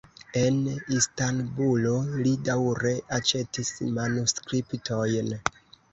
En Istanbulo li daŭre aĉetis manuskriptojn.